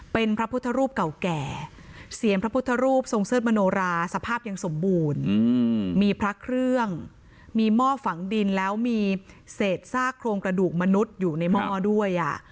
เป็นพระพุทธรูปเก่าแก่เสียงพระพุทธรูปทรงเสิร์ชมโนราสภาพยังสมบูรณ์มีพระเครื่องมีหม้อฝังดินแล้วมีเศษซากโครงกระดูกมนุษย์อยู่ในหม้อด้วย